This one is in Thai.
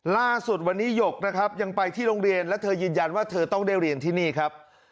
ล่าสุดวันนี้หยกนะครับยังไปที่โรงเรียนและเธอยืนยันว่าเธอต้องได้เรียนที่นี่ครับ